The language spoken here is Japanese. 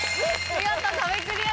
見事壁クリアです。